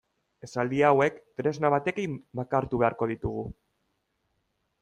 Esaldi hauek tresna batekin bakartu beharko ditugu.